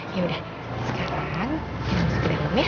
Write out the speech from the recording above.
yaudah sekarang kita masuk ke dalam ya